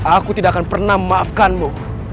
aku tidak akan pernah memaafkanmu